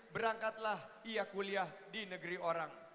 berangkatlah ia kuliah di negeri orang